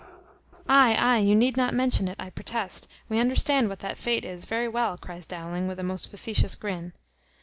"Ay, ay, you need not mention it, I protest: we understand what that fate is very well," cries Dowling, with a most facetious grin.